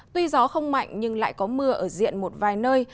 tuy gió không mạnh nhưng lại có mưa ở diện một vài nơi